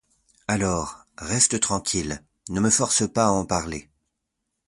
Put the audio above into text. Alors, reste tranquille, ne me force pas à en parler.